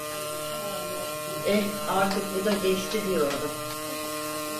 Eh, artık bu da geçti diyordum.